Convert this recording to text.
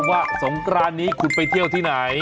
สงกรานนี้คุณไปเที่ยวที่ไหน